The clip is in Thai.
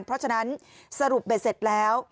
เพราะฉะนั้นสรุปเบ็ดเสร็จแล้ว